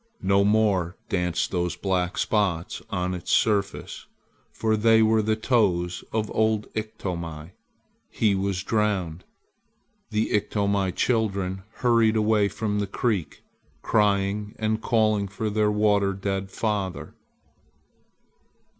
No more danced those black spots on its surface, for they were the toes of old Iktomi. He was drowned. The Iktomi children hurried away from the creek, crying and calling for their water dead father.